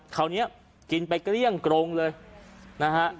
คราวนี้กินไปเกลี้ยงกรงเลยนะฮะ